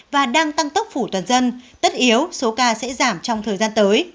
và đang tăng tốc phủ toàn dân tất yếu số ca sẽ giảm trong thời gian tới